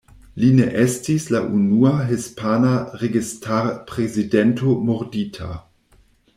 Li ne estis la unua hispana registar-prezidento murdita.